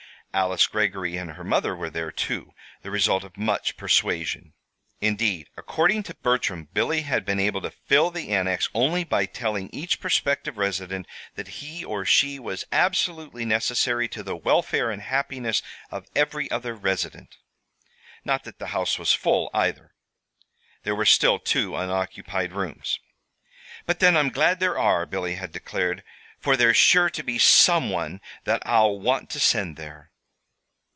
Alice Greggory and her mother were there, too the result of much persuasion. Indeed, according to Bertram, Billy had been able to fill the Annex only by telling each prospective resident that he or she was absolutely necessary to the welfare and happiness of every other resident. Not that the house was full, either. There were still two unoccupied rooms. "But then, I'm glad there are," Billy had declared, "for there's sure to be some one that I'll want to send there."